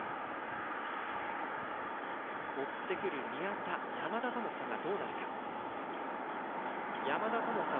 追ってくる宮田、山田との差がどうなるか。